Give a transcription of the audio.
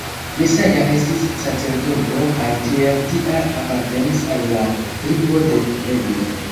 Jesaja estis sacerdoto kaj kiel tia apartenis al la tribo de Levi.